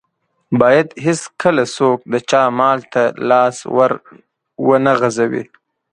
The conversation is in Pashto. بايد هيڅکله څوک د چا مال ته لاس ور و نه غزوي.